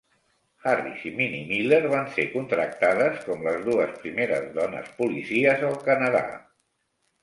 Harris i Minnie Miller van ser contractades com les dues primeres dones policies al Canadà.